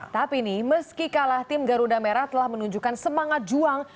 tapi nih meski kalah tim garuda merah telah menunjukkan semangat juang